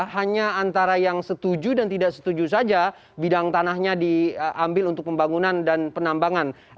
hanya antara yang setuju dan tidak setuju saja bidang tanahnya diambil untuk pembangunan dan penambangan